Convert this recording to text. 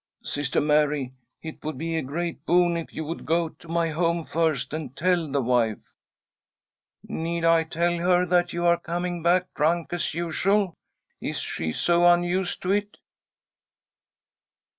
" Sister Mary, it would be a great boon if you would go to my home first, and fell the wife "" Need I tell her that you are coming back, drunk as usual ? Is she so unused to it